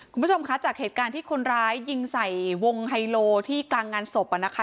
คุณผู้ชมคะจากเหตุการณ์ที่คนร้ายยิงใส่วงไฮโลที่กลางงานศพนะคะ